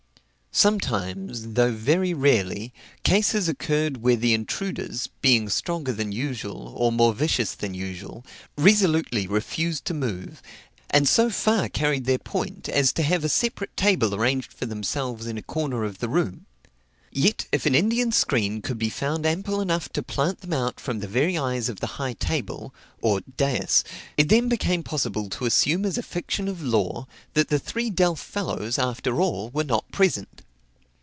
Sometimes, though very rarely, cases occurred where the intruders, being stronger than usual, or more vicious than usual, resolutely refused to move, and so far carried their point, as to have a separate table arranged for themselves in a corner of the room. Yet, if an Indian screen could be found ample enough to plant them out from the very eyes of the high table, or dais, it then became possible to assume as a fiction of law that the three delf fellows, after all, were not present.